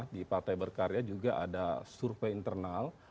di partai berkarya juga ada survei internal